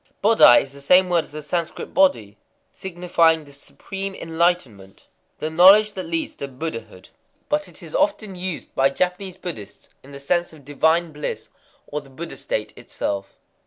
Bodai is the same word as the Sanscrit Bodhi, signifying the supreme enlightenment,—the knowledge that leads to Buddhahood; but it is often used by Japanese Buddhists in the sense of divine bliss, or the Buddha state itself.